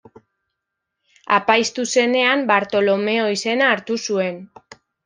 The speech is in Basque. Apaiztu zenean Bartolomeo izena hartu zuen.